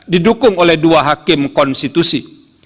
didukung oleh dua hakim konstitusi